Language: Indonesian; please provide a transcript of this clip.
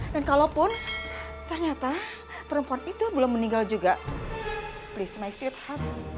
dan kalaupun ternyata perempuan itu belum meninggal juga please my sweet heart